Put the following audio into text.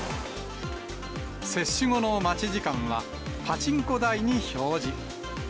接種後の待ち時間は、パチンコ台に表示。